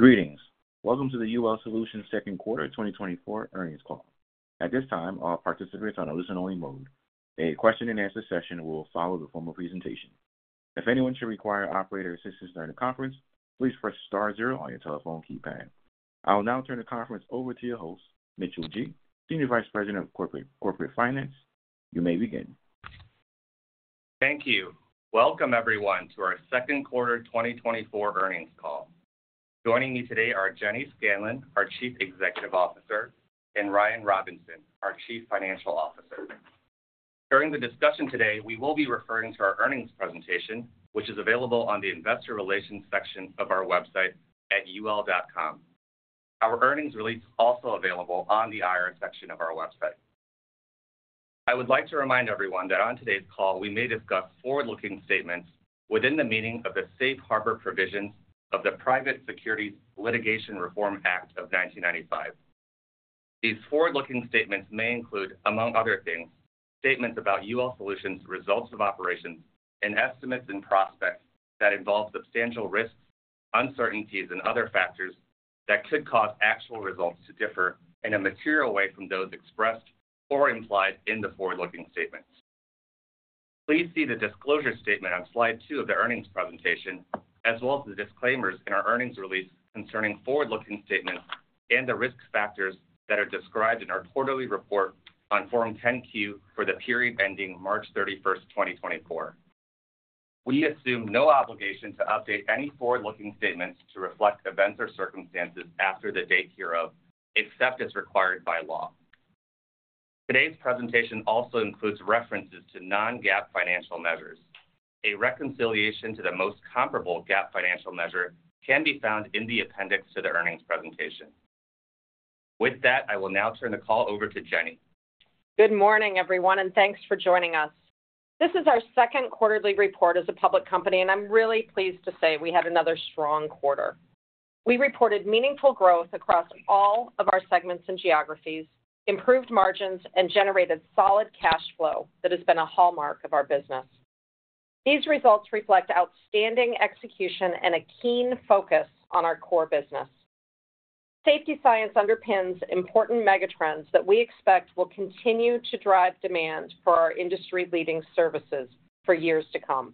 Greetings. Welcome to the UL Solutions Second Quarter 2024 earnings call. At this time, all participants are in a listen-only mode. A question-and-answer session will follow the formal presentation. If anyone should require operator assistance during the conference, please press star zero on your telephone keypad. I will now turn the conference over to your host, Mitchell Ji, Senior Vice President of Corporate Finance. You may begin. Thank you. Welcome, everyone, to our Second Quarter 2024 earnings call. Joining me today are Jenny Scanlon, our Chief Executive Officer, and Ryan Robinson, our Chief Financial Officer. During the discussion today, we will be referring to our earnings presentation, which is available on the Investor Relations section of our website at ul.com. Our earnings release is also available on the IR section of our website. I would like to remind everyone that on today's call, we may discuss forward-looking statements within the meaning of the safe harbor provisions of the Private Securities Litigation Reform Act of 1995. These forward-looking statements may include, among other things, statements about UL Solutions' results of operations and estimates and prospects that involve substantial risks, uncertainties, and other factors that could cause actual results to differ in a material way from those expressed or implied in the forward-looking statements. Please see the disclosure statement on slide 2 of the earnings presentation, as well as the disclaimers in our earnings release concerning forward-looking statements and the risk factors that are described in our quarterly report on Form 10-Q for the period ending March 31, 2024. We assume no obligation to update any forward-looking statements to reflect events or circumstances after the date hereof, except as required by law. Today's presentation also includes references to non-GAAP financial measures. A reconciliation to the most comparable GAAP financial measure can be found in the appendix to the earnings presentation. With that, I will now turn the call over to Jenny. Good morning, everyone, and thanks for joining us. This is our second quarterly report as a public company, and I'm really pleased to say we had another strong quarter. We reported meaningful growth across all of our segments and geographies, improved margins, and generated solid cash flow that has been a hallmark of our business. These results reflect outstanding execution and a keen focus on our core business. Safety science underpins important megatrends that we expect will continue to drive demand for our industry-leading services for years to come.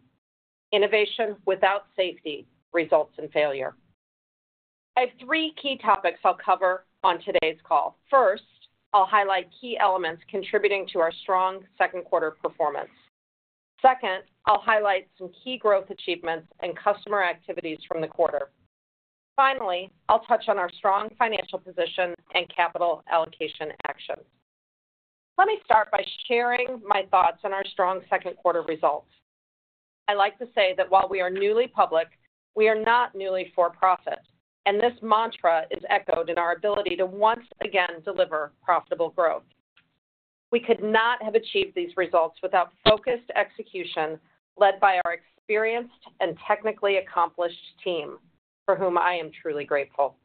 Innovation without safety results in failure. I have 3 key topics I'll cover on today's call. First, I'll highlight key elements contributing to our strong second quarter performance. Second, I'll highlight some key growth achievements and customer activities from the quarter. Finally, I'll touch on our strong financial position and capital allocation actions. Let me start by sharing my thoughts on our strong second quarter results. I like to say that while we are newly public, we are not newly for-profit, and this mantra is echoed in our ability to once again deliver profitable growth. We could not have achieved these results without focused execution led by our experienced and technically accomplished team, for whom I am truly grateful.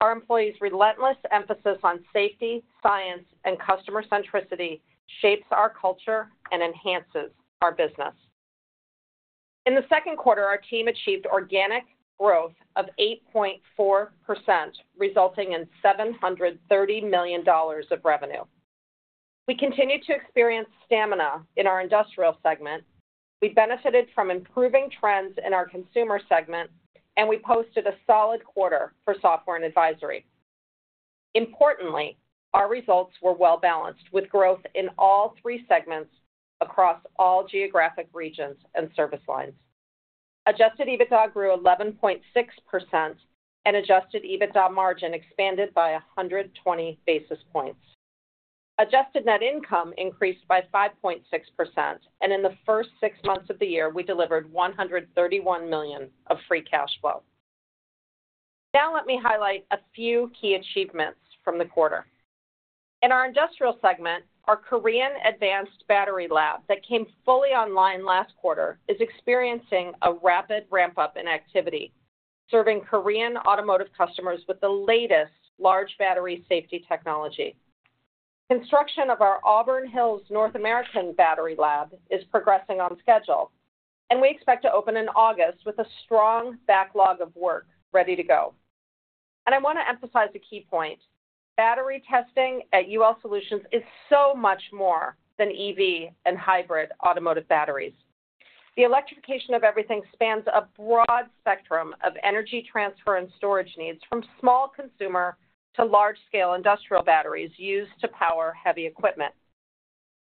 Our employees' relentless emphasis on safety, science, and customer centricity shapes our culture and enhances our business. In the second quarter, our team achieved organic growth of 8.4%, resulting in $730 million of revenue. We continue to experience stamina in our industrial segment. We benefited from improving trends in our consumer segment, and we posted a solid quarter for software and advisory. Importantly, our results were well-balanced with growth in all 3 segments across all geographic regions and service lines. Adjusted EBITDA grew 11.6%, and adjusted EBITDA margin expanded by 120 basis points. Adjusted net income increased by 5.6%, and in the first six months of the year, we delivered $131 million of free cash flow. Now, let me highlight a few key achievements from the quarter. In our industrial segment, our Korea Advanced Battery Lab that came fully online last quarter is experiencing a rapid ramp-up in activity, serving Korean automotive customers with the latest large battery safety technology. Construction of our Auburn Hills North American Battery Lab is progressing on schedule, and we expect to open in August with a strong backlog of work ready to go. And I want to emphasize a key point: battery testing at UL Solutions is so much more than EV and hybrid automotive batteries. The Electrification of Everything spans a broad spectrum of energy transfer and storage needs from small consumer to large-scale industrial batteries used to power heavy equipment.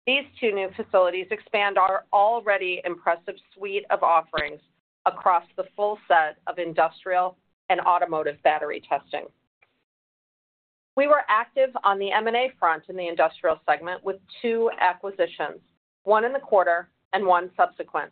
These 2 new facilities expand our already impressive suite of offerings across the full set of industrial and automotive battery testing. We were active on the M&A front in the industrial segment with two acquisitions, one in the quarter and one subsequent.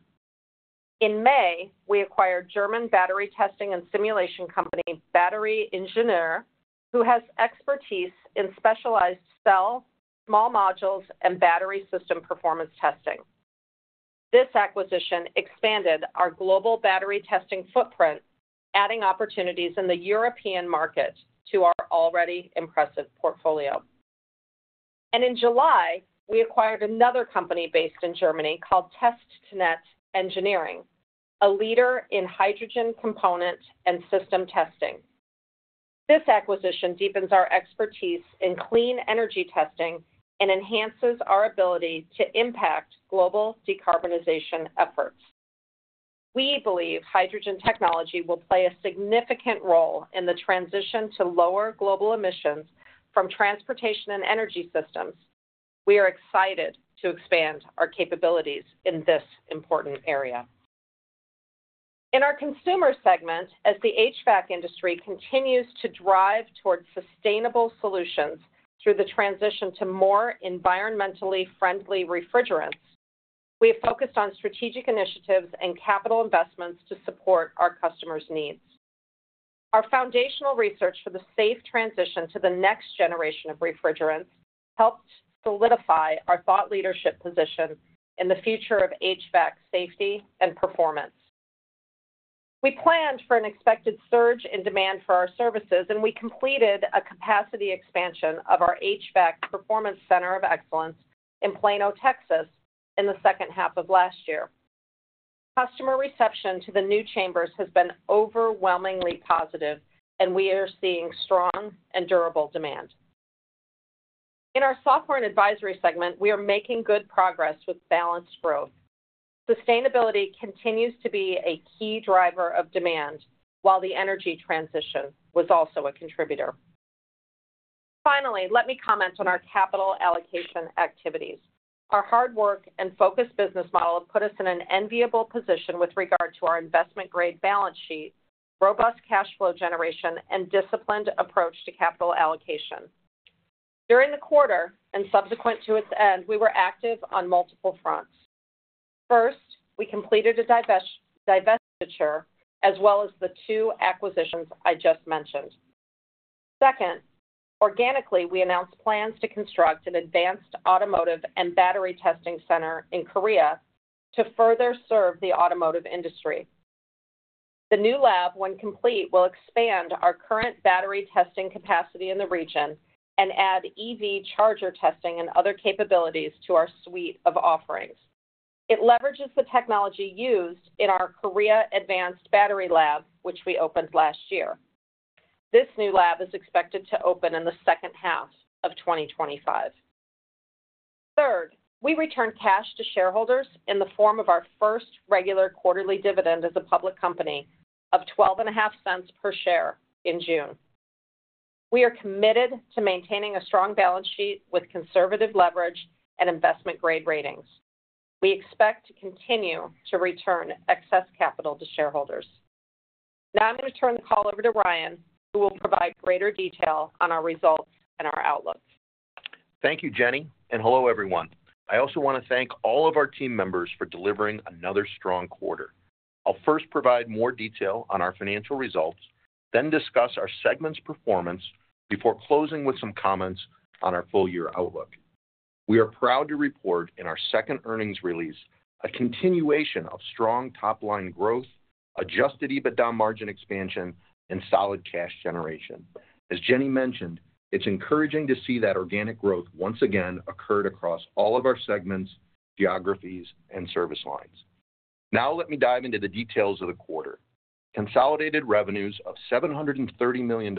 In May, we acquired German battery testing and simulation company BatterieIngenieure, who has expertise in specialized cell, small modules, and battery system performance testing. This acquisition expanded our global battery testing footprint, adding opportunities in the European market to our already impressive portfolio. In July, we acquired another company based in Germany called TesTneT Engineering, a leader in hydrogen component and system testing. This acquisition deepens our expertise in clean energy testing and enhances our ability to impact global decarbonization efforts. We believe hydrogen technology will play a significant role in the transition to lower global emissions from transportation and energy systems. We are excited to expand our capabilities in this important area. In our consumer segment, as the HVAC industry continues to drive towards sustainable solutions through the transition to more environmentally friendly refrigerants, we have focused on strategic initiatives and capital investments to support our customers' needs. Our foundational research for the safe transition to the next generation of refrigerants helped solidify our thought leadership position in the future of HVAC safety and performance. We planned for an expected surge in demand for our services, and we completed a capacity expansion of our HVAC Performance Center of Excellence in Plano, Texas, in the second half of last year. Customer reception to the new chambers has been overwhelmingly positive, and we are seeing strong and durable demand. In our software and advisory segment, we are making good progress with balanced growth. Sustainability continues to be a key driver of demand, while the energy transition was also a contributor. Finally, let me comment on our capital allocation activities. Our hard work and focused business model have put us in an enviable position with regard to our investment-grade balance sheet, robust cash flow generation, and disciplined approach to capital allocation. During the quarter and subsequent to its end, we were active on multiple fronts. First, we completed a divestiture, as well as the 2 acquisitions I just mentioned. Second, organically, we announced plans to construct an advanced automotive and battery testing center in Korea to further serve the automotive industry. The new lab, when complete, will expand our current battery testing capacity in the region and add EV charger testing and other capabilities to our suite of offerings. It leverages the technology used in our Korea Advanced Battery Lab, which we opened last year. This new lab is expected to open in the second half of 2025. Third, we returned cash to shareholders in the form of our first regular quarterly dividend as a public company of $0.125 per share in June. We are committed to maintaining a strong balance sheet with conservative leverage and investment-grade ratings. We expect to continue to return excess capital to shareholders. Now, I'm going to turn the call over to Ryan, who will provide greater detail on our results and our outlook. Thank you, Jenny, and hello, everyone. I also want to thank all of our team members for delivering another strong quarter. I'll first provide more detail on our financial results, then discuss our segment's performance before closing with some comments on our full-year outlook. We are proud to report in our second earnings release a continuation of strong top-line growth, Adjusted EBITDA margin expansion, and solid cash generation. As Jenny mentioned, it's encouraging to see that organic growth once again occurred across all of our segments, geographies, and service lines. Now, let me dive into the details of the quarter. Consolidated revenues of $730 million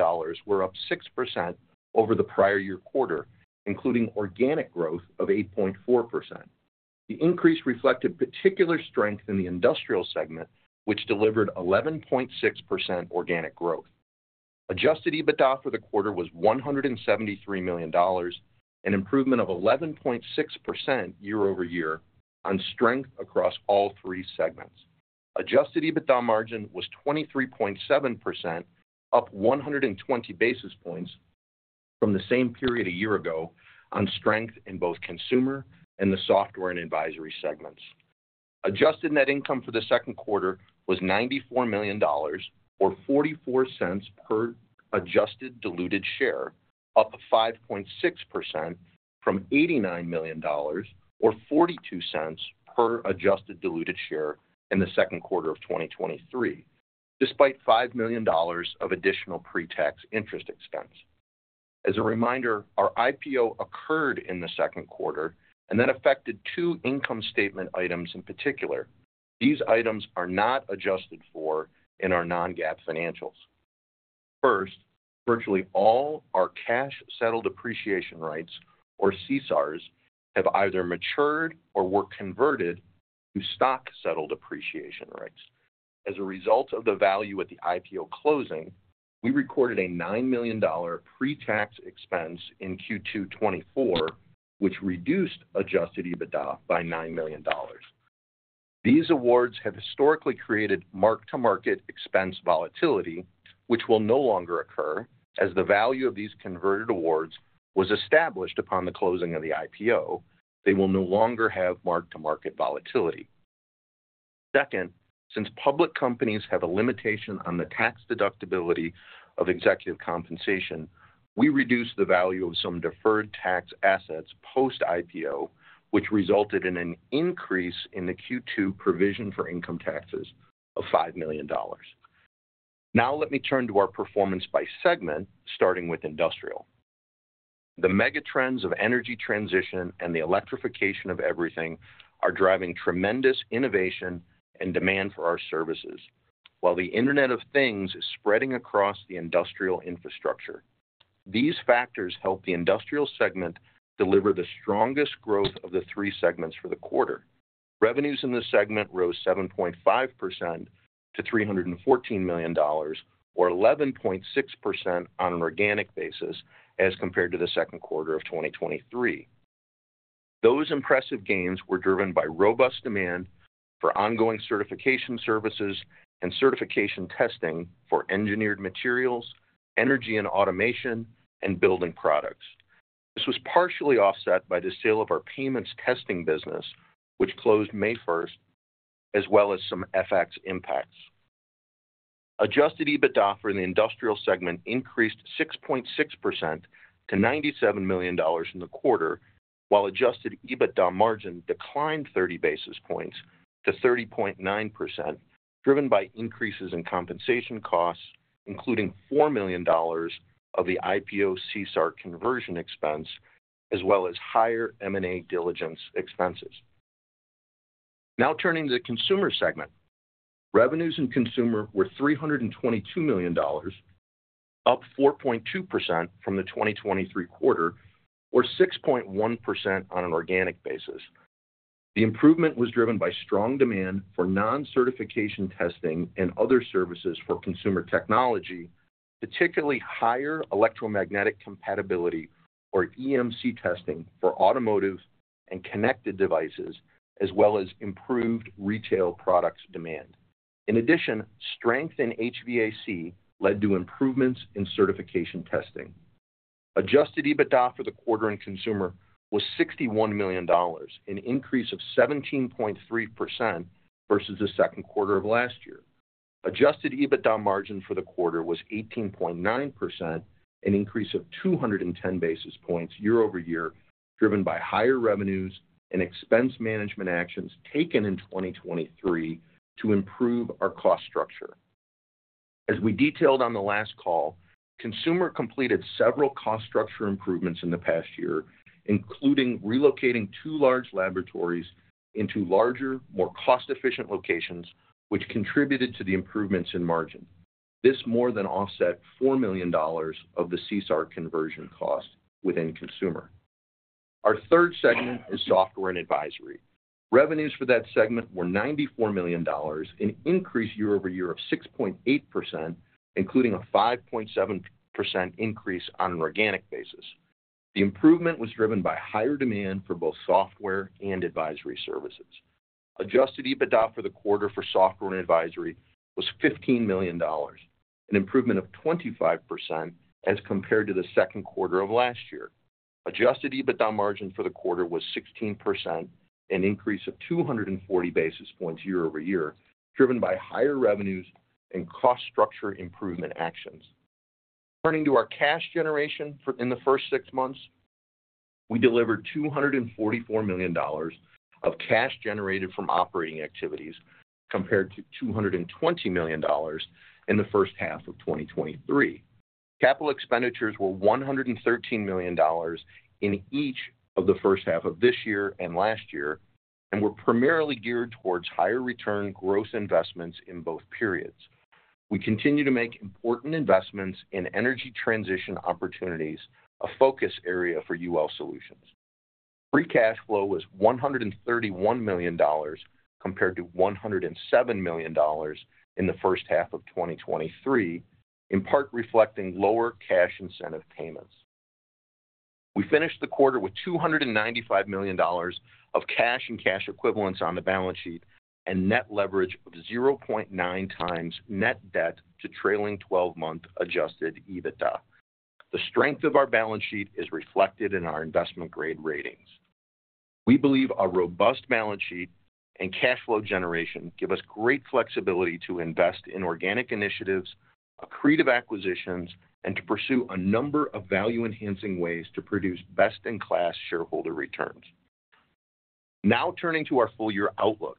were up 6% over the prior year quarter, including organic growth of 8.4%. The increase reflected particular strength in the industrial segment, which delivered 11.6% organic growth. Adjusted EBITDA for the quarter was $173 million, an improvement of 11.6% year-over-year on strength across all 3 segments. Adjusted EBITDA margin was 23.7%, up 120 basis points from the same period a year ago on strength in both consumer and the software and advisory segments. Adjusted net income for the second quarter was $94 million, or $0.44 per adjusted diluted share, up 5.6% from $89 million, or $0.42 per adjusted diluted share in the second quarter of 2023, despite $5 million of additional pre-tax interest expense. As a reminder, our IPO occurred in the second quarter and then affected 2 income statement items in particular. These items are not adjusted for in our non-GAAP financials. First, virtually all our cash-settled appreciation rights, or CSARs, have either matured or were converted to stock-settled appreciation rights. As a result of the value at the IPO closing, we recorded a $9 million pre-tax expense in Q2 2024, which reduced Adjusted EBITDA by $9 million. These awards have historically created mark-to-market expense volatility, which will no longer occur as the value of these converted awards was established upon the closing of the IPO. They will no longer have mark-to-market volatility. Second, since public companies have a limitation on the tax deductibility of executive compensation, we reduced the value of some deferred tax assets post-IPO, which resulted in an increase in the Q2 provision for income taxes of $5 million. Now, let me turn to our performance by segment, starting with industrial. The Megatrends of energy transition and the Electrification of Everything are driving tremendous innovation and demand for our services, while the Internet of Things is spreading across the industrial infrastructure. These factors help the industrial segment deliver the strongest growth of the 3 segments for the quarter. Revenues in the segment rose 7.5% to $314 million, or 11.6% on an organic basis as compared to the second quarter of 2023. Those impressive gains were driven by robust demand for ongoing certification services and certification testing for engineered materials, energy and automation, and building products. This was partially offset by the sale of our payments testing business, which closed May 1, as well as some FX impacts. Adjusted EBITDA for the industrial segment increased 6.6% to $97 million in the quarter, while Adjusted EBITDA margin declined 30 basis points to 30.9%, driven by increases in compensation costs, including $4 million of the IPO Class C SAR conversion expense, as well as higher M&A diligence expenses. Now, turning to the consumer segment, revenues in consumer were $322 million, up 4.2% from the 2023 quarter, or 6.1% on an organic basis. The improvement was driven by strong demand for non-certification testing and other services for consumer technology, particularly higher electromagnetic compatibility, or EMC testing for automotive and connected devices, as well as improved retail products demand. In addition, strength in HVAC led to improvements in certification testing. Adjusted EBITDA for the quarter in consumer was $61 million, an increase of 17.3% versus the second quarter of last year. Adjusted EBITDA margin for the quarter was 18.9%, an increase of 210 basis points year over year, driven by higher revenues and expense management actions taken in 2023 to improve our cost structure. As we detailed on the last call, consumer completed several cost structure improvements in the past year, including relocating 2 large laboratories into larger, more cost-efficient locations, which contributed to the improvements in margin. This more than offset $4 million of the CSAR conversion cost within consumer. Our third segment is software and advisory. Revenues for that segment were $94 million, an increase year-over-year of 6.8%, including a 5.7% increase on an organic basis. The improvement was driven by higher demand for both software and advisory services. Adjusted EBITDA for the quarter for software and advisory was $15 million, an improvement of 25% as compared to the second quarter of last year. Adjusted EBITDA margin for the quarter was 16%, an increase of 240 basis points year-over-year, driven by higher revenues and cost structure improvement actions. Turning to our cash generation in the first six months, we delivered $244 million of cash generated from operating activities compared to $220 million in the first half of 2023. Capital expenditures were $113 million in each of the first half of this year and last year and were primarily geared towards higher return gross investments in both periods. We continue to make important investments in energy transition opportunities, a focus area for UL Solutions. Free cash flow was $131 million compared to $107 million in the first half of 2023, in part reflecting lower cash incentive payments. We finished the quarter with $295 million of cash and cash equivalents on the balance sheet and net leverage of 0.9 times net debt to trailing 12-month adjusted EBITDA. The strength of our balance sheet is reflected in our investment-grade ratings. We believe our robust balance sheet and cash flow generation give us great flexibility to invest in organic initiatives, accretive acquisitions, and to pursue a number of value-enhancing ways to produce best-in-class shareholder returns. Now, turning to our full-year outlook,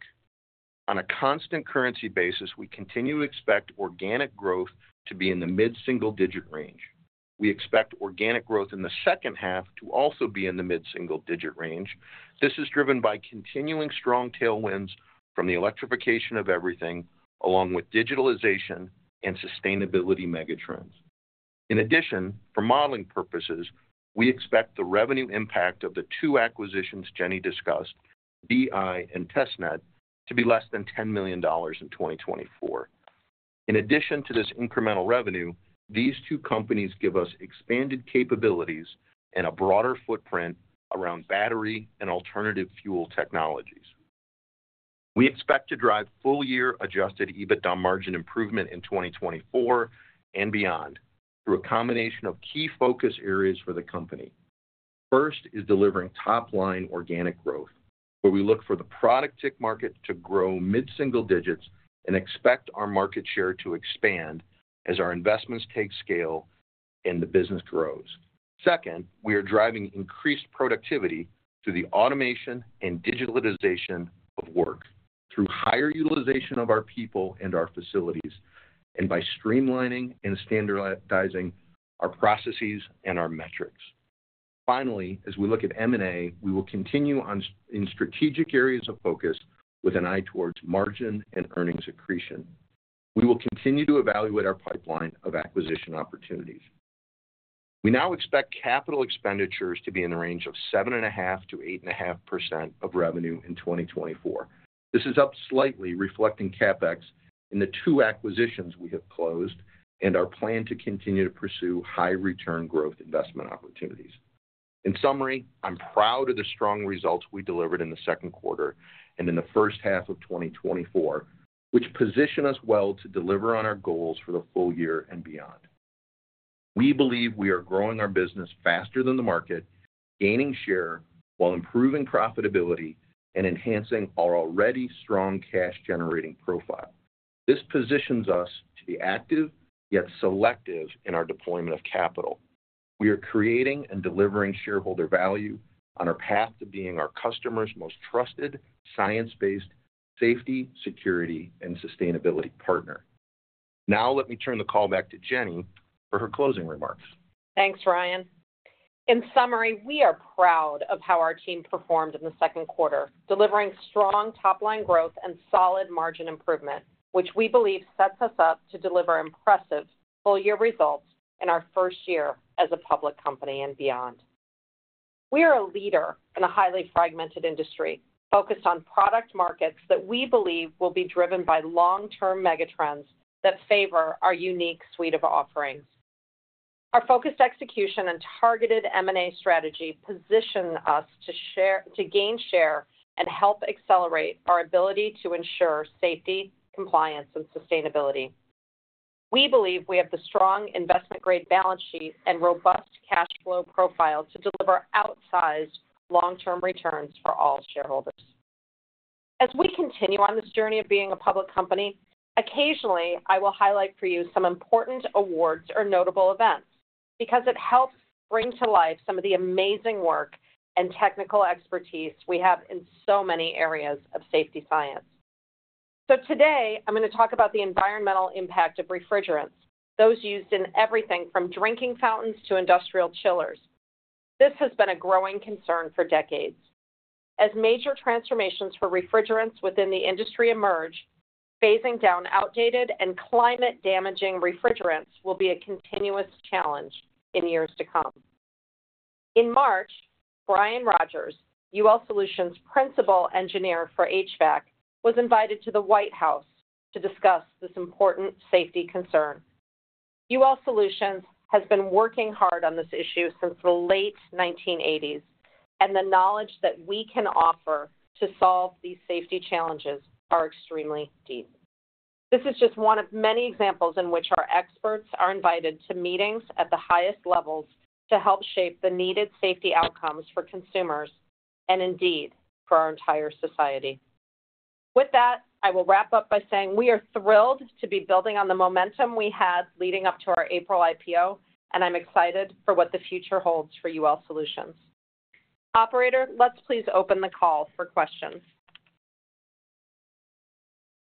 on a constant currency basis, we continue to expect organic growth to be in the mid-single-digit range. We expect organic growth in the second half to also be in the mid-single-digit range. This is driven by continuing strong tailwinds from the electrification of everything, along with digitalization and sustainability megatrends. In addition, for modeling purposes, we expect the revenue impact of the 2 acquisitions Jenny discussed, BatterieIngenieure and TesTneT, to be less than $10 million in 2024. In addition to this incremental revenue, these 2 companies give us expanded capabilities and a broader footprint around battery and alternative fuel technologies. We expect to drive full-year Adjusted EBITDA margin improvement in 2024 and beyond through a combination of key focus areas for the company. First is delivering top-line organic growth, where we look for the product testing market to grow mid-single digits and expect our market share to expand as our investments take scale and the business grows. Second, we are driving increased productivity through the automation and digitalization of work through higher utilization of our people and our facilities, and by streamlining and standardizing our processes and our metrics. Finally, as we look at M&A, we will continue in strategic areas of focus with an eye towards margin and earnings accretion. We will continue to evaluate our pipeline of acquisition opportunities. We now expect capital expenditures to be in the range of 7.5% to 8.5% of revenue in 2024. This is up slightly, reflecting CapEx in the 2 acquisitions we have closed and our plan to continue to pursue high-return growth investment opportunities. In summary, I'm proud of the strong results we delivered in the second quarter and in the first half of 2024, which position us well to deliver on our goals for the full year and beyond. We believe we are growing our business faster than the market, gaining share while improving profitability and enhancing our already strong cash-generating profile. This positions us to be active yet selective in our deployment of capital. We are creating and delivering shareholder value on our path to being our customer's most trusted science-based safety, security, and sustainability partner. Now, let me turn the call back to Jenny for her closing remarks. Thanks, Ryan. In summary, we are proud of how our team performed in the second quarter, delivering strong top-line growth and solid margin improvement, which we believe sets us up to deliver impressive full-year results in our first year as a public company and beyond. We are a leader in a highly fragmented industry focused on product markets that we believe will be driven by long-term megatrends that favor our unique suite of offerings. Our focused execution and targeted M&A strategy position us to gain share and help accelerate our ability to ensure safety, compliance, and sustainability. We believe we have the strong investment-grade balance sheet and robust cash flow profile to deliver outsized long-term returns for all shareholders. As we continue on this journey of being a public company, occasionally, I will highlight for you some important awards or notable events because it helps bring to life some of the amazing work and technical expertise we have in so many areas of safety science. So today, I'm going to talk about the environmental impact of refrigerants, those used in everything from drinking fountains to industrial chillers. This has been a growing concern for decades. As major transformations for refrigerants within the industry emerge, phasing down outdated and climate-damaging refrigerants will be a continuous challenge in years to come. In March, Brian Rogers, UL Solutions' Principal Engineer for HVAC, was invited to the White House to discuss this important safety concern. UL Solutions has been working hard on this issue since the late 1980s, and the knowledge that we can offer to solve these safety challenges is extremely deep. This is just one of many examples in which our experts are invited to meetings at the highest levels to help shape the needed safety outcomes for consumers and indeed for our entire society. With that, I will wrap up by saying we are thrilled to be building on the momentum we had leading up to our April IPO, and I'm excited for what the future holds for UL Solutions. Operator, let's please open the call for questions.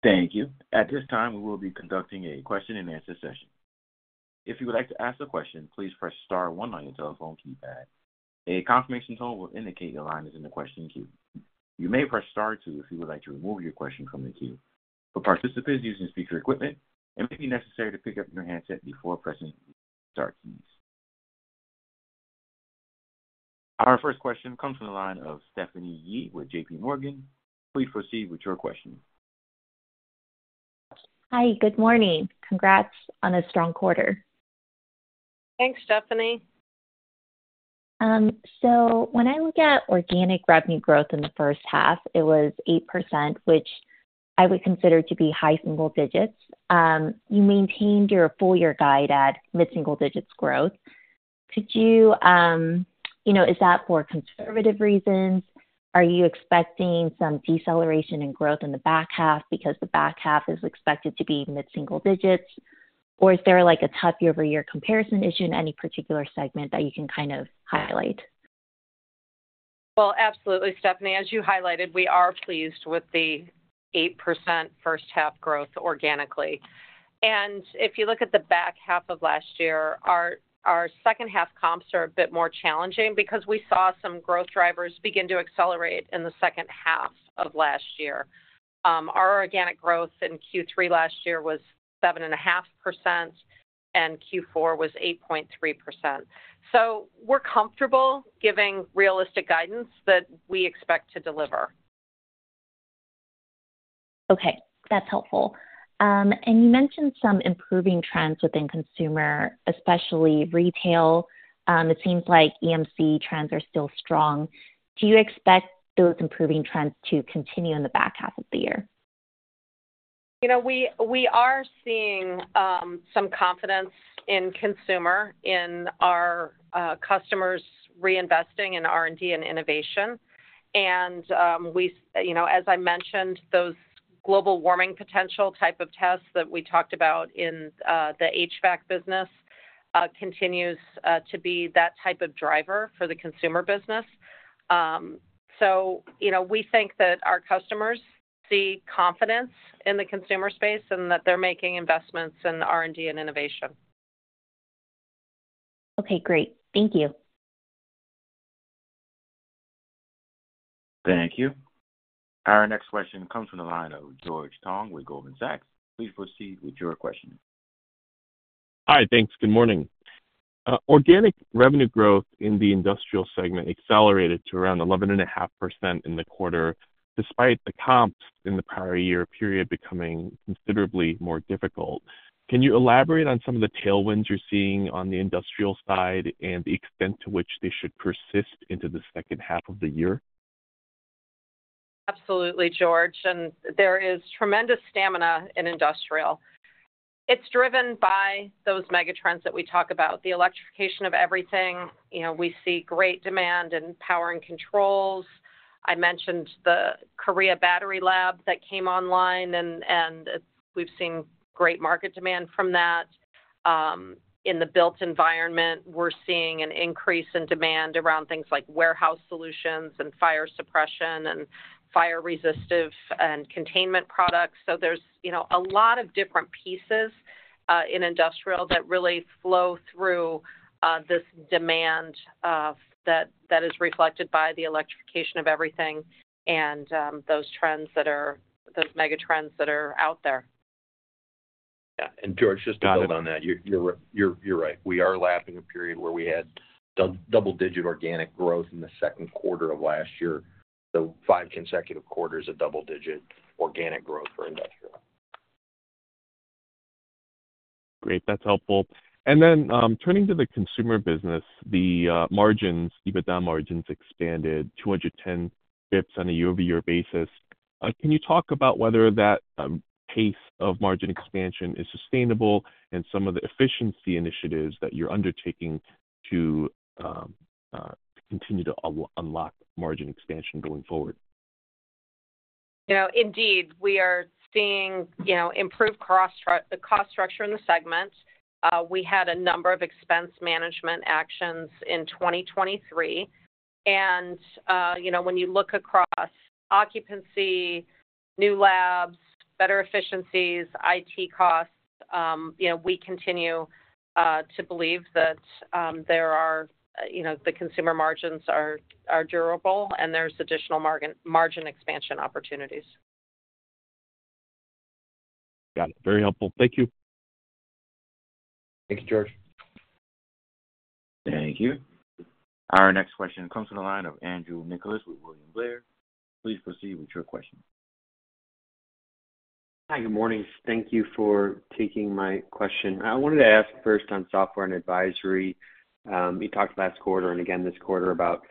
Thank you. At this time, we will be conducting a question-and-answer session. If you would like to ask a question, please press Star 1 on your telephone keypad. A confirmation tone will indicate your line is in the question queue. You may press Star 2 if you would like to remove your question from the queue. For participants using speaker equipment, it may be necessary to pick up your handset before pressing the Star keys. Our first question comes from the line of Stephanie Yee with J.P. Morgan. Please proceed with your question. Hi, good morning. Congrats on a strong quarter. Thanks, Stephanie. When I look at organic revenue growth in the first half, it was 8%, which I would consider to be high single digits. You maintained your full-year guide at mid-single digits growth. Is that for conservative reasons? Are you expecting some deceleration in growth in the back half because the back half is expected to be mid-single digits? Or is there a tough year-over-year comparison issue in any particular segment that you can kind of highlight? Well, absolutely, Stephanie. As you highlighted, we are pleased with the 8% first-half growth organically. And if you look at the back half of last year, our second-half comps are a bit more challenging because we saw some growth drivers begin to accelerate in the second half of last year. Our organic growth in Q3 last year was 7.5%, and Q4 was 8.3%. So we're comfortable giving realistic guidance that we expect to deliver. Okay, that's helpful. You mentioned some improving trends within consumer, especially retail. It seems like EMC trends are still strong. Do you expect those improving trends to continue in the back half of the year? We are seeing some confidence in consumer, in our customers reinvesting in R&D and innovation. As I mentioned, those global warming potential type of tests that we talked about in the HVAC business continues to be that type of driver for the consumer business. We think that our customers see confidence in the consumer space and that they're making investments in R&D and innovation. Okay, great. Thank you. Thank you. Our next question comes from the line of George Tong with Goldman Sachs. Please proceed with your question. Hi, thanks. Good morning. Organic revenue growth in the industrial segment accelerated to around 11.5% in the quarter, despite the comps in the prior year period becoming considerably more difficult. Can you elaborate on some of the tailwinds you're seeing on the industrial side and the extent to which they should persist into the second half of the year? Absolutely, George. There is tremendous stamina in industrial. It's driven by those megatrends that we talk about, the electrification of everything. We see great demand in power and controls. I mentioned the Korea Battery Lab that came online, and we've seen great market demand from that. In the built environment, we're seeing an increase in demand around things like warehouse solutions and fire suppression and fire-resistive and containment products. So there's a lot of different pieces in industrial that really flow through this demand that is reflected by the electrification of everything and those trends that are those megatrends that are out there. Yeah. And George just commented on that. You're right. We are lapping a period where we had double-digit organic growth in the second quarter of last year, the 5 consecutive quarters of double-digit organic growth for industrial. Great. That's helpful. And then turning to the consumer business, the margins, EBITDA margins expanded 210 basis points on a year-over-year basis. Can you talk about whether that pace of margin expansion is sustainable and some of the efficiency initiatives that you're undertaking to continue to unlock margin expansion going forward? Indeed. We are seeing improved cost structure in the segment. We had a number of expense management actions in 2023. And when you look across occupancy, new labs, better efficiencies, IT costs, we continue to believe that the consumer margins are durable, and there's additional margin expansion opportunities. Got it. Very helpful. Thank you. Thank you, George. Thank you. Our next question comes from the line of Andrew Nicholas with William Blair. Please proceed with your question. Hi, good morning. Thank you for taking my question. I wanted to ask first on software and advisory. You talked last quarter and again this quarter about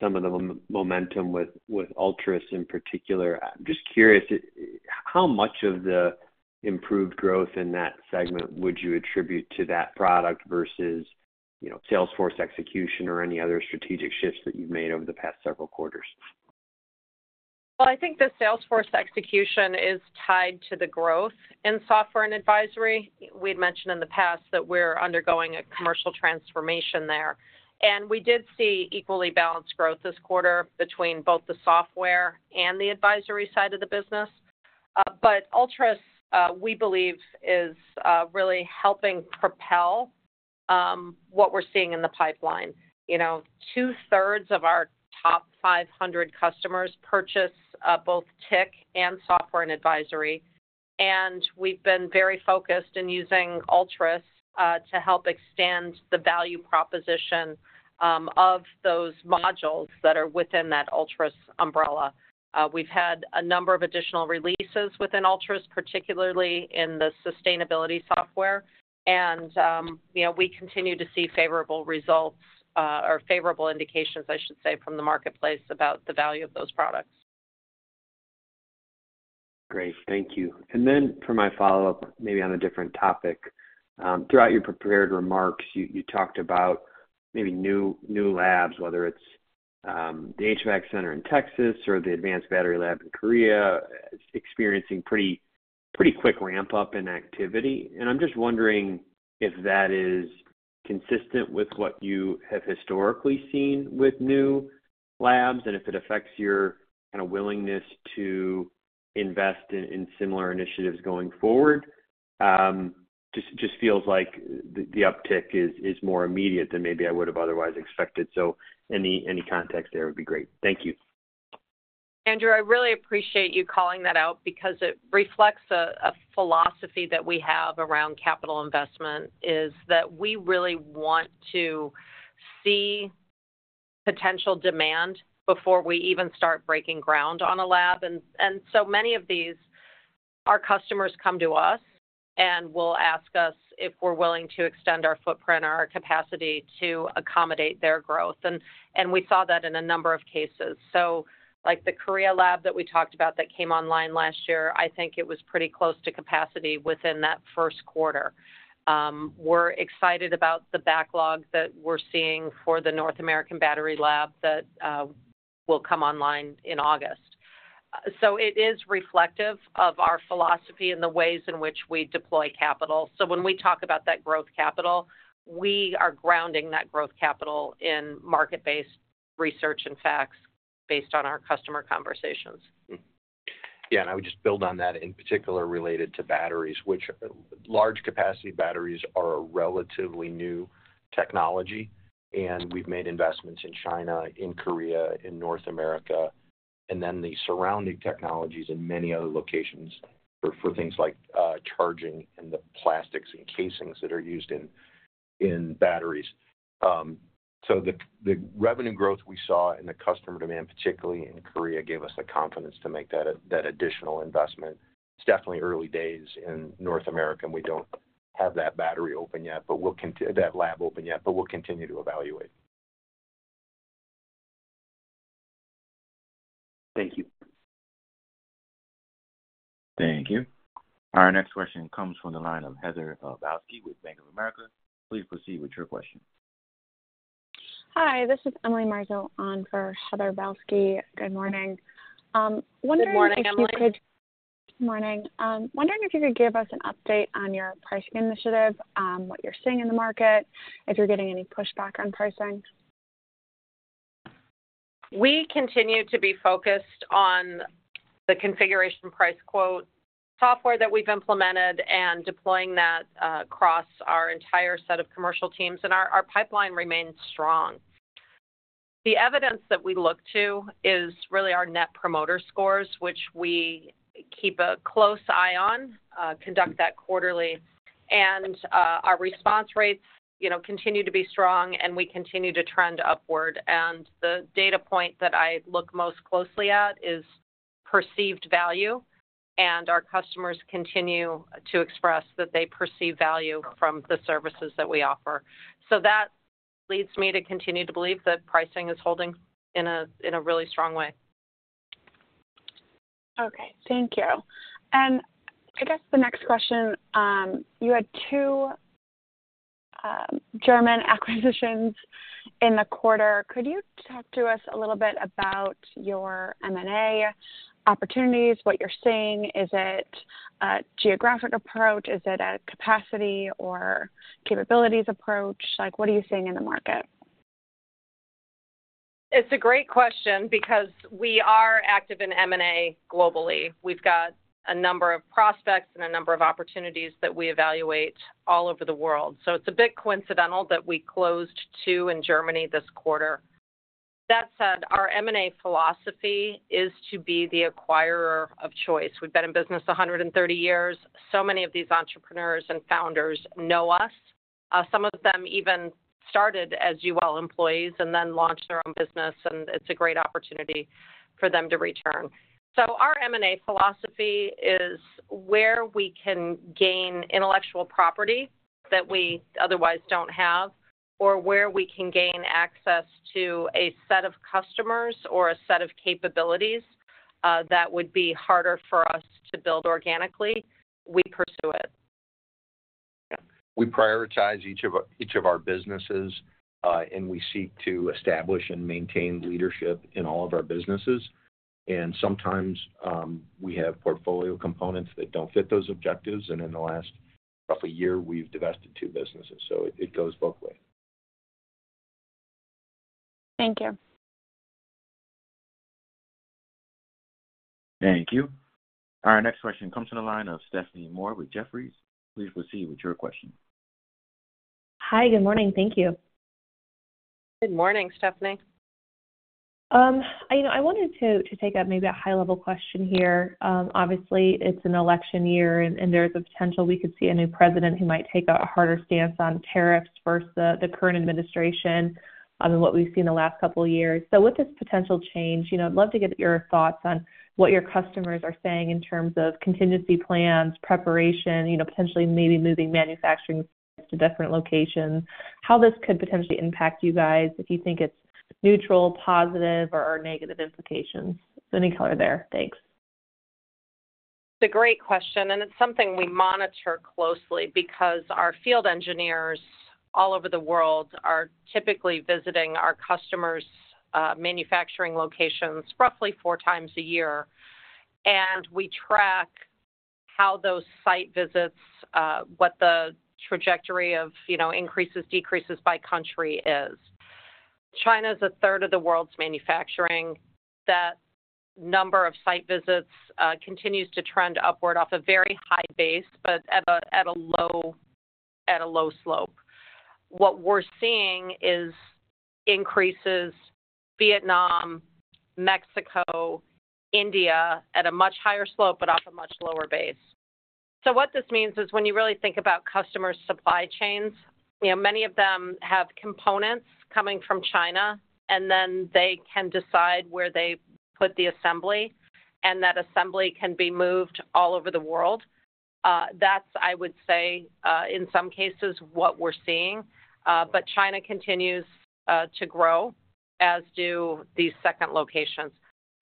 some of the momentum with ULTRUS in particular. I'm just curious, how much of the improved growth in that segment would you attribute to that product versus Salesforce execution or any other strategic shifts that you've made over the past several quarters? Well, I think the Salesforce execution is tied to the growth in software and advisory. We'd mentioned in the past that we're undergoing a commercial transformation there. We did see equally balanced growth this quarter between both the software and the advisory side of the business. ULTRUS, we believe, is really helping propel what we're seeing in the pipeline. Two-thirds of our top 500 customers purchase both tech and software and advisory. We've been very focused in using ULTRUS to help extend the value proposition of those modules that are within that ULTRUS umbrella. We've had a number of additional releases within ULTRUS, particularly in the sustainability software. We continue to see favorable results or favorable indications, I should say, from the marketplace about the value of those products. Great. Thank you. And then for my follow-up, maybe on a different topic, throughout your prepared remarks, you talked about maybe new labs, whether it's the HVAC center in Texas or the advanced battery lab in Korea, experiencing pretty quick ramp-up in activity. And I'm just wondering if that is consistent with what you have historically seen with new labs and if it affects your kind of willingness to invest in similar initiatives going forward. It just feels like the uptick is more immediate than maybe I would have otherwise expected. So any context there would be great. Thank you. Andrew, I really appreciate you calling that out because it reflects a philosophy that we have around capital investment: we really want to see potential demand before we even start breaking ground on a lab. Many of these, our customers come to us and will ask us if we're willing to extend our footprint or our capacity to accommodate their growth. We saw that in a number of cases. The Korea lab that we talked about that came online last year, I think it was pretty close to capacity within that first quarter. We're excited about the backlog that we're seeing for the North American battery lab that will come online in August. It is reflective of our philosophy and the ways in which we deploy capital. When we talk about that growth capital, we are grounding that growth capital in market-based research and facts based on our customer conversations. Yeah. And I would just build on that, in particular related to batteries, which large-capacity batteries are a relatively new technology. And we've made investments in China, in Korea, in North America, and then the surrounding technologies in many other locations for things like charging and the plastics and casings that are used in batteries. So the revenue growth we saw in the customer demand, particularly in Korea, gave us the confidence to make that additional investment. It's definitely early days in North America. We don't have that battery lab open yet, but we'll continue to evaluate. Thank you. Thank you. Our next question comes from the line of Heather Balsky with Bank of America. Please proceed with your question. Hi, this is Emily Marzell on for Heather Balsky. Good morning. Good morning, Emily. Good morning. Wondering if you could give us an update on your pricing initiative, what you're seeing in the market, if you're getting any pushback on pricing? We continue to be focused on the Configuration Price Quote software that we've implemented and deploying that across our entire set of commercial teams. Our pipeline remains strong. The evidence that we look to is really our Net Promoter Scores, which we keep a close eye on, conduct that quarterly. Our response rates continue to be strong, and we continue to trend upward. The data point that I look most closely at is perceived value. Our customers continue to express that they perceive value from the services that we offer. So that leads me to continue to believe that pricing is holding in a really strong way. Okay. Thank you. I guess the next question, you had 2 German acquisitions in the quarter. Could you talk to us a little bit about your M&A opportunities, what you're seeing? Is it a geographic approach? Is it a capacity or capabilities approach? What are you seeing in the market? It's a great question because we are active in M&A globally. We've got a number of prospects and a number of opportunities that we evaluate all over the world. It's a bit coincidental that we closed 2 in Germany this quarter. That said, our M&A philosophy is to be the acquirer of choice. We've been in business 130 years. Many of these entrepreneurs and founders know us. Some of them even started as UL employees and then launched their own business. It's a great opportunity for them to return. Our M&A philosophy is where we can gain intellectual property that we otherwise don't have or where we can gain access to a set of customers or a set of capabilities that would be harder for us to build organically, we pursue it. Yeah. We prioritize each of our businesses, and we seek to establish and maintain leadership in all of our businesses. And sometimes we have portfolio components that don't fit those objectives. And in the last roughly year, we've divested 2 businesses. So it goes both ways. Thank you. Thank you. Our next question comes from the line of Stephanie Moore with Jefferies. Please proceed with your question. Hi, good morning. Thank you. Good morning, Stephanie. I wanted to take up maybe a high-level question here. Obviously, it's an election year, and there's a potential we could see a new president who might take a harder stance on tariffs versus the current administration than what we've seen the last couple of years. So with this potential change, I'd love to get your thoughts on what your customers are saying in terms of contingency plans, preparation, potentially maybe moving manufacturing sites to different locations, how this could potentially impact you guys, if you think it's neutral, positive, or negative implications. So any color there. Thanks. It's a great question. It's something we monitor closely because our field engineers all over the world are typically visiting our customers' manufacturing locations roughly 4 times a year. We track how those site visits, what the trajectory of increases, decreases by country is. China is a third of the world's manufacturing. That number of site visits continues to trend upward off a very high base, but at a low slope. What we're seeing is increases in Vietnam, Mexico, India at a much higher slope, but off a much lower base. So what this means is when you really think about customer supply chains, many of them have components coming from China, and then they can decide where they put the assembly, and that assembly can be moved all over the world. That's, I would say, in some cases, what we're seeing. But China continues to grow, as do these second locations.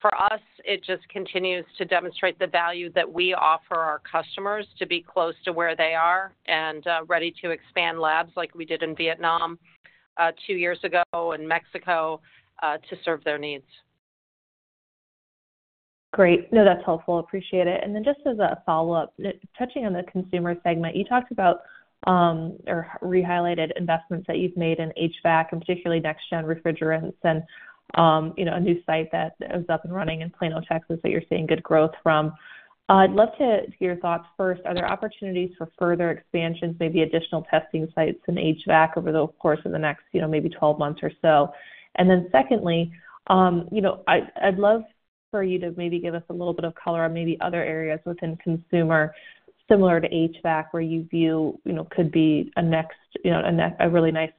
For us, it just continues to demonstrate the value that we offer our customers to be close to where they are and ready to expand labs like we did in Vietnam 2 years ago and Mexico to serve their needs. Great. No, that's helpful. Appreciate it. And then just as a follow-up, touching on the consumer segment, you talked about or re-highlighted investments that you've made in HVAC and particularly next-gen refrigerants and a new site that is up and running in Plano, Texas, that you're seeing good growth from. I'd love to hear your thoughts first. Are there opportunities for further expansions, maybe additional testing sites in HVAC over the course of the next maybe 12 months or so? And then secondly, I'd love for you to maybe give us a little bit of color on maybe other areas within consumer similar to HVAC where you view could be a really nice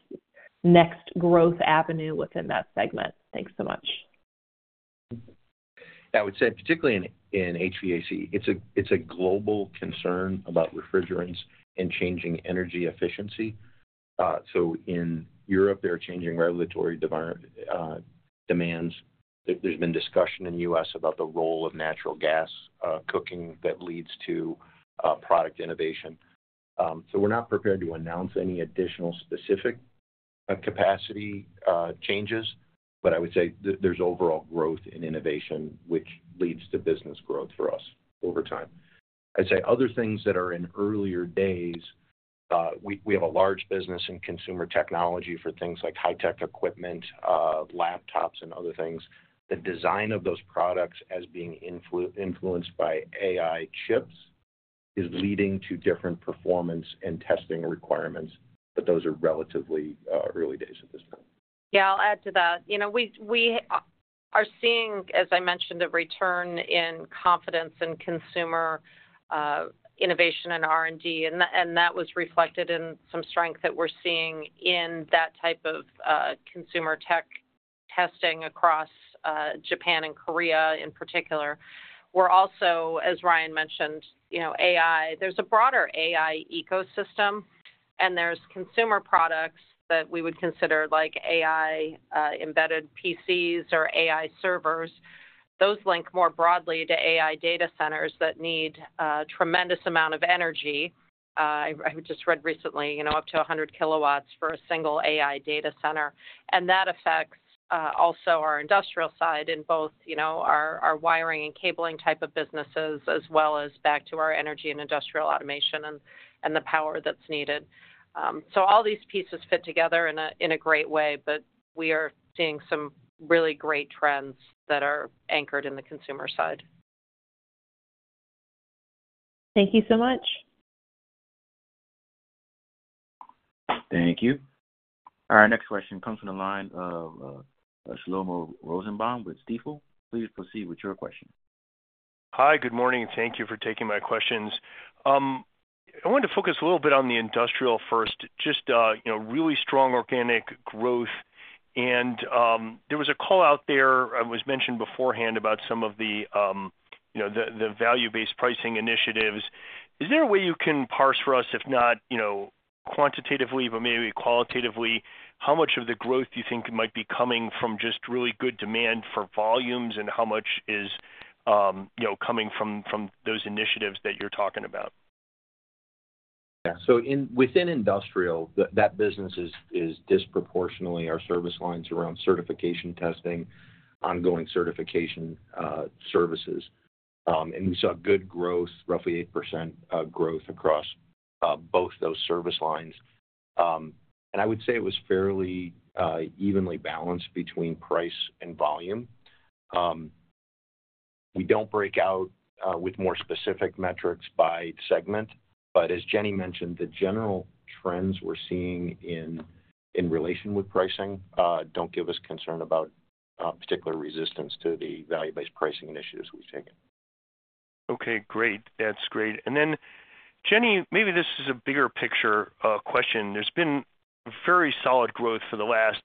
next growth avenue within that segment. Thanks so much. I would say particularly in HVAC, it's a global concern about refrigerants and changing energy efficiency. So in Europe, they're changing regulatory demands. There's been discussion in the U.S. about the role of natural gas cooking that leads to product innovation. So we're not prepared to announce any additional specific capacity changes, but I would say there's overall growth in innovation, which leads to business growth for us over time. I'd say other things that are in earlier days, we have a large business in consumer technology for things like high-tech equipment, laptops, and other things. The design of those products is being influenced by AI chips is leading to different performance and testing requirements, but those are relatively early days at this time. Yeah, I'll add to that. We are seeing, as I mentioned, a return in confidence in consumer innovation and R&D. That was reflected in some strength that we're seeing in that type of consumer tech testing across Japan and Korea in particular. We're also, as Ryan mentioned, AI. There's a broader AI ecosystem, and there's consumer products that we would consider like AI-embedded PCs or AI servers. Those link more broadly to AI data centers that need a tremendous amount of energy. I just read recently up to 100 kW for a single AI data center. That affects also our industrial side in both our wiring and cabling type of businesses as well as back to our energy and industrial automation and the power that's needed. All these pieces fit together in a great way, but we are seeing some really great trends that are anchored in the consumer side. Thank you so much. Thank you. Our next question comes from the line of Shlomo Rosenbaum with Stifel. Please proceed with your question. Hi, good morning. Thank you for taking my questions. I wanted to focus a little bit on the industrial first, just really strong organic growth. And there was a call out there, it was mentioned beforehand about some of the value-based pricing initiatives. Is there a way you can parse for us, if not quantitatively, but maybe qualitatively, how much of the growth you think might be coming from just really good demand for volumes and how much is coming from those initiatives that you're talking about? Yeah. So within industrial, that business is disproportionately our service lines around certification testing, ongoing certification services. And we saw good growth, roughly 8% growth across both those service lines. And I would say it was fairly evenly balanced between price and volume. We don't break out with more specific metrics by segment, but as Jenny mentioned, the general trends we're seeing in relation with pricing don't give us concern about particular resistance to the value-based pricing initiatives we've taken. Okay. Great. That's great. And then, Jenny, maybe this is a bigger picture question. There's been very solid growth for the last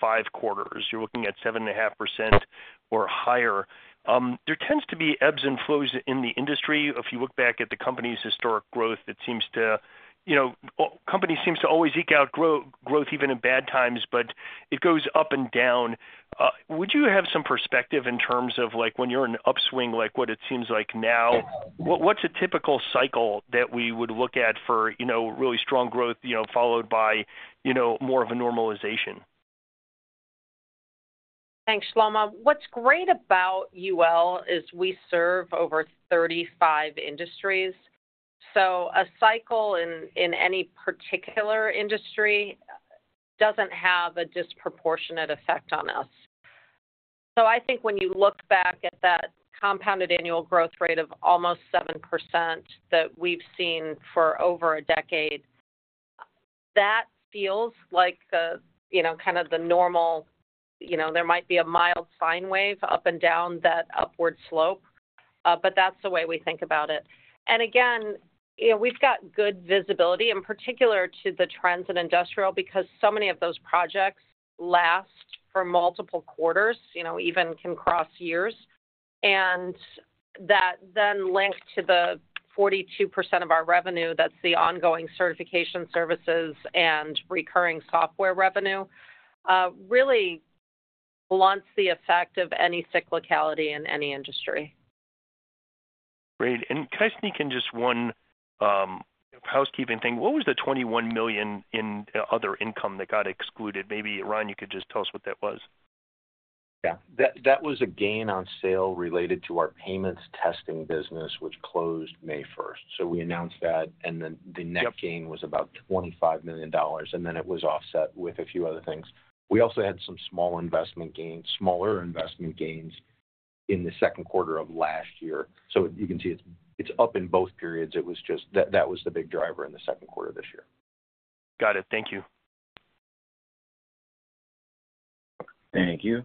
5 quarters. You're looking at 7.5% or higher. There tends to be ebbs and flows in the industry. If you look back at the company's historic growth, it seems the company seems to always eke out growth even in bad times, but it goes up and down. Would you have some perspective in terms of when you're in an upswing like what it seems like now, what's a typical cycle that we would look at for really strong growth followed by more of a normalization? Thanks, Shlomo. What's great about UL is we serve over 35 industries. So a cycle in any particular industry doesn't have a disproportionate effect on us. So I think when you look back at that compounded annual growth rate of almost 7% that we've seen for over a decade, that feels like kind of the normal. There might be a mild sine wave up and down that upward slope, but that's the way we think about it. And again, we've got good visibility in particular to the trends in industrial because so many of those projects last for multiple quarters, even can cross years. And that then linked to the 42% of our revenue, that's the ongoing certification services and recurring software revenue, really blunts the effect of any cyclicality in any industry. Great. And can I ask me in just one housekeeping thing. What was the $21 million in other income that got excluded? Maybe Ryan, you could just tell us what that was. Yeah. That was a gain on sale related to our payments testing business, which closed May 1. So we announced that. And then the net gain was about $25 million. And then it was offset with a few other things. We also had some smaller investment gains in the second quarter of last year. So you can see it's up in both periods. That was the big driver in the second quarter this year. Got it. Thank you. Thank you.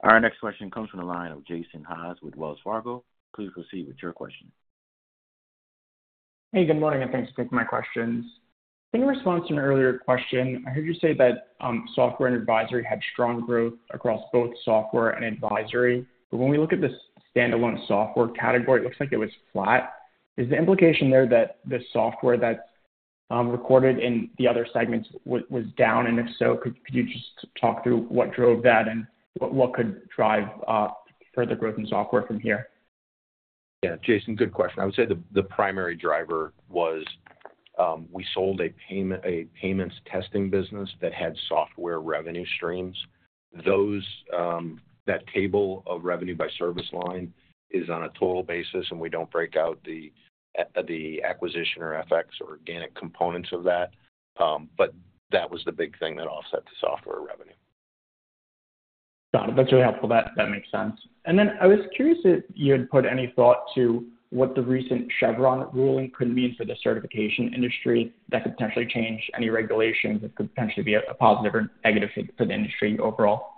Our next question comes from the line of Jason Haas with Wells Fargo. Please proceed with your question. Hey, good morning. Thanks for taking my questions. In response to an earlier question, I heard you say that software and advisory had strong growth across both software and advisory. But when we look at the standalone software category, it looks like it was flat. Is the implication there that the software that's recorded in the other segments was down? And if so, could you just talk through what drove that and what could drive further growth in software from here? Yeah. Jason, good question. I would say the primary driver was we sold a payments testing business that had software revenue streams. That table of revenue by service line is on a total basis, and we don't break out the acquisition or FX or organic components of that. But that was the big thing that offset the software revenue. Got it. That's really helpful. That makes sense. And then I was curious if you had put any thought to what the recent Chevron Ruling could mean for the certification industry that could potentially change any regulations that could potentially be a positive or negative for the industry overall.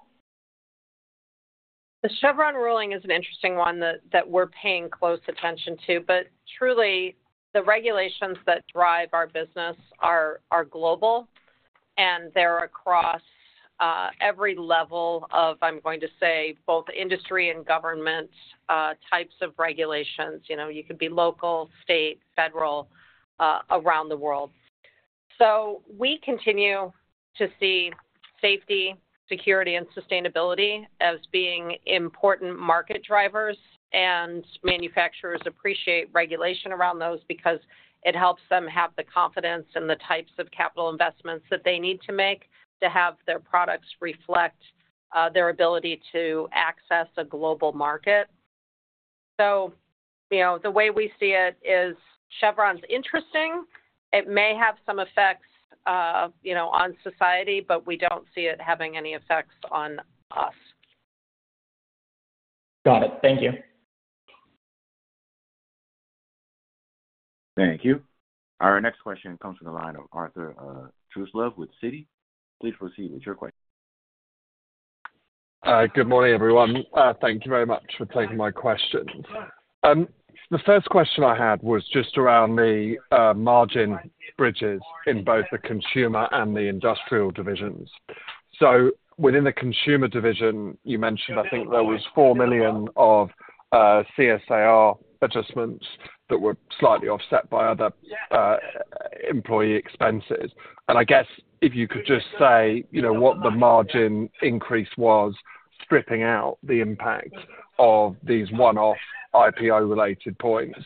The Chevron Ruling is an interesting one that we're paying close attention to. But truly, the regulations that drive our business are global, and they're across every level of, I'm going to say, both industry and government types of regulations. You could be local, state, federal, around the world. So we continue to see safety, security, and sustainability as being important market drivers. And manufacturers appreciate regulation around those because it helps them have the confidence and the types of capital investments that they need to make to have their products reflect their ability to access a global market. So the way we see it is Chevron's interesting. It may have some effects on society, but we don't see it having any effects on us. Got it. Thank you. Thank you. Our next question comes from the line of Arthur Truslove with Citi. Please proceed with your question. Good morning, everyone. Thank you very much for taking my questions. The first question I had was just around the margin bridges in both the consumer and the industrial divisions. So within the consumer division, you mentioned I think there was $4 million of CSAR adjustments that were slightly offset by other employee expenses. And I guess if you could just say what the margin increase was, stripping out the impact of these one-off IPO-related points.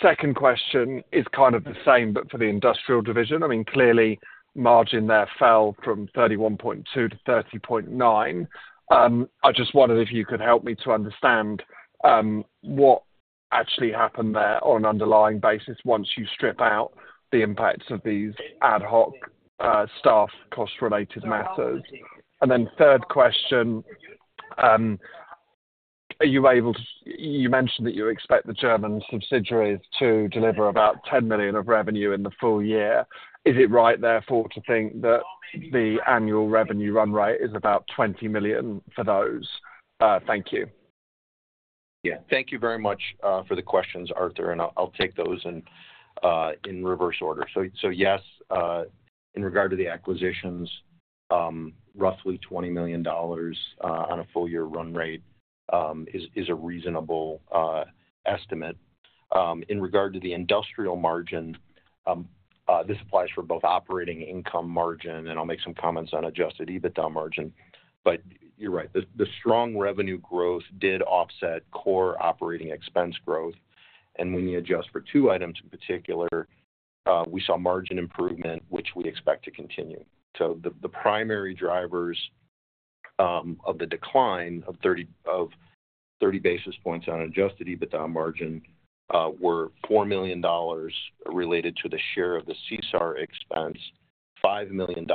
Second question is kind of the same, but for the industrial division. I mean, clearly, margin there fell from 31.2% to 30.9%. I just wondered if you could help me to understand what actually happened there on an underlying basis once you strip out the impacts of these ad hoc staff cost-related matters. Then 3rd question, are you able to you mentioned that you expect the German subsidiaries to deliver about $10 million of revenue in the full year. Is it right therefore to think that the annual revenue run rate is about $20 million for those? Thank you. Yeah. Thank you very much for the questions, Arthur. And I'll take those in reverse order. So yes, in regard to the acquisitions, roughly $20 million on a full-year run rate is a reasonable estimate. In regard to the industrial margin, this applies for both operating income margin, and I'll make some comments on Adjusted EBITDA margin. But you're right. The strong revenue growth did offset core operating expense growth. And when we adjust for 2 items in particular, we saw margin improvement, which we expect to continue. So the primary drivers of the decline of 30 basis points on Adjusted EBITDA margin were $4 million related to the share of the CSAR expense, $5 million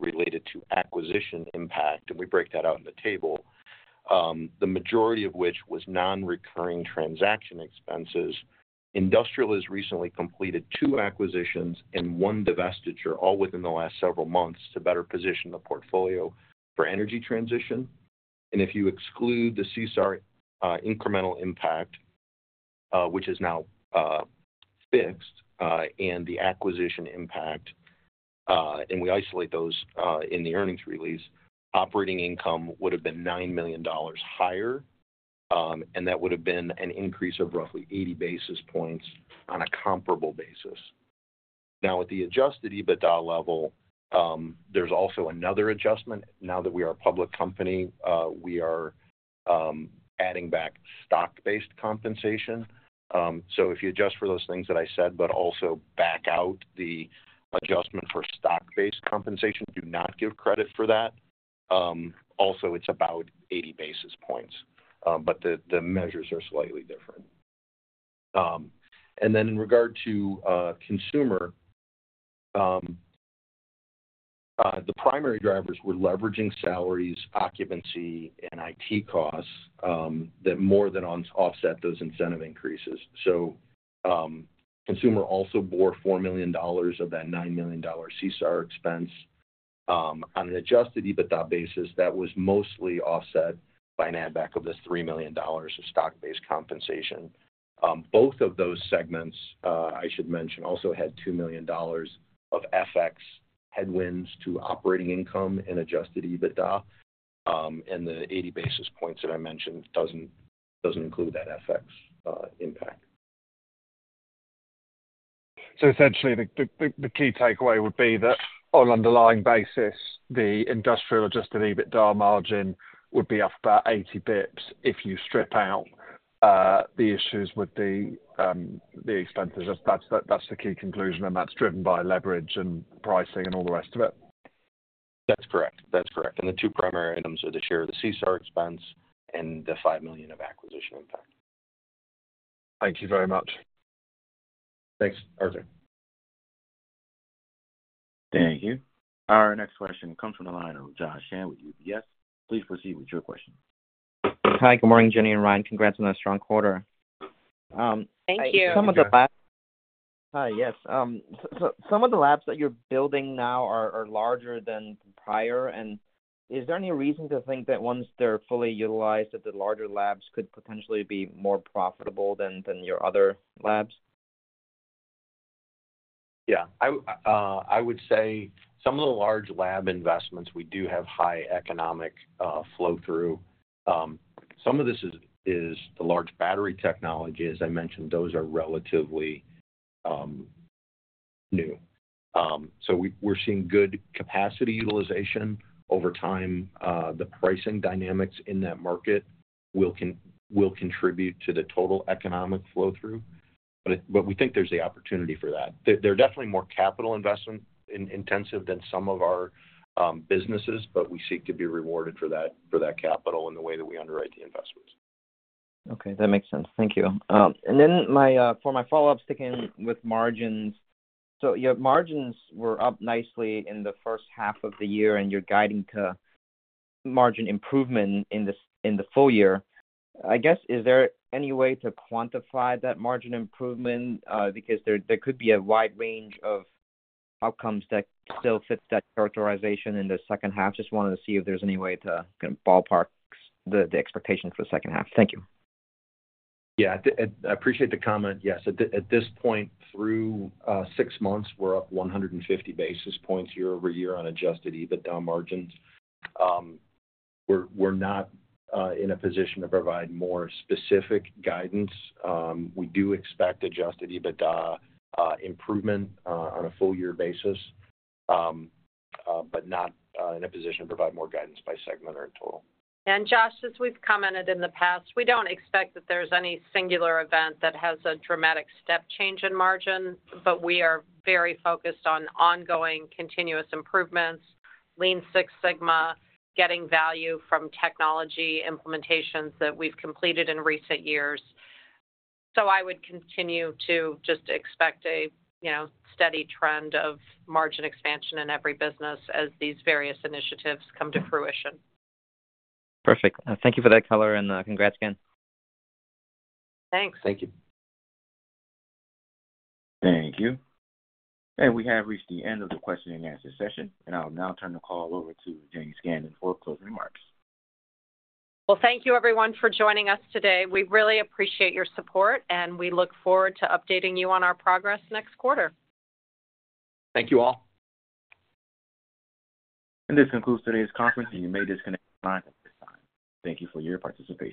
related to acquisition impact. And we break that out in the table, the majority of which was non-recurring transaction expenses. Industrial has recently completed 2 acquisitions and one divestiture, all within the last several months to better position the portfolio for energy transition. And if you exclude the CSAR incremental impact, which is now fixed, and the acquisition impact, and we isolate those in the earnings release, operating income would have been $9 million higher, and that would have been an increase of roughly 80 basis points on a comparable basis. Now, at the Adjusted EBITDA level, there's also another adjustment. Now that we are a public company, we are adding back stock-based compensation. So if you adjust for those things that I said, but also back out the adjustment for stock-based compensation, do not give credit for that. Also, it's about 80 basis points, but the measures are slightly different. And then in regard to consumer, the primary drivers were leveraging salaries, occupancy, and IT costs that more than offset those incentive increases. So consumer also bore $4 million of that $9 million CSAR expense on an Adjusted EBITDA basis that was mostly offset by an add-back of this $3 million of stock-based compensation. Both of those segments, I should mention, also had $2 million of FX headwinds to operating income and Adjusted EBITDA. And the 80 basis points that I mentioned doesn't include that FX impact. So essentially, the key takeaway would be that on an underlying basis, the industrial Adjusted EBITDA Margin would be up about 80 basis points if you strip out the issues with the expenses. That's the key conclusion, and that's driven by leverage and pricing and all the rest of it. That's correct. That's correct. The two primary items are the share of the CSAR expense and the $5 million of acquisition impact. Thank you very much. Thanks, Arthur. Thank you. Our next question comes from the line of Joshua Chan with UBS. Please proceed with your question. Hi. Good morning, Jenny and Ryan. Congrats on a strong quarter. Thank you. Hi. Yes. So some of the labs that you're building now are larger than prior. And is there any reason to think that once they're fully utilized, that the larger labs could potentially be more profitable than your other labs? Yeah. I would say some of the large lab investments, we do have high economic flow-through. Some of this is the large battery technology. As I mentioned, those are relatively new. So we're seeing good capacity utilization over time. The pricing dynamics in that market will contribute to the total economic flow-through. But we think there's the opportunity for that. They're definitely more capital investment intensive than some of our businesses, but we seek to be rewarded for that capital in the way that we underwrite the investments. Okay. That makes sense. Thank you. And then for my follow-up sticking with margins, so your margins were up nicely in the first half of the year, and you're guiding to margin improvement in the full year. I guess, is there any way to quantify that margin improvement? Because there could be a wide range of outcomes that still fit that characterization in the second half. Just wanted to see if there's any way to kind of ballpark the expectation for the second half. Thank you. Yeah. I appreciate the comment. Yes. At this point, through 6 months, we're up 150 basis points year-over-year on Adjusted EBITDA margins. We're not in a position to provide more specific guidance. We do expect Adjusted EBITDA improvement on a full-year basis, but not in a position to provide more guidance by segment or in total. And Josh, as we've commented in the past, we don't expect that there's any singular event that has a dramatic step change in margin, but we are very focused on ongoing continuous improvements, Lean Six Sigma, getting value from technology implementations that we've completed in recent years. So I would continue to just expect a steady trend of margin expansion in every business as these various initiatives come to fruition. Perfect. Thank you for that color, and congrats again. Thanks. Thank you. Thank you. We have reached the end of the question and answer session. I'll now turn the call over to Jenny Scanlon for closing remarks. Well, thank you, everyone, for joining us today. We really appreciate your support, and we look forward to updating you on our progress next quarter. Thank you all. This concludes today's conference, and you may disconnect the line at this time. Thank you for your participation.